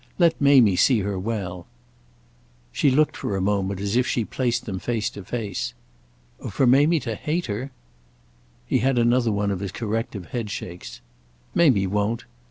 Let Mamie see her well." She looked for a moment as if she placed them face to face. "For Mamie to hate her?" He had another of his corrective headshakes. "Mamie won't.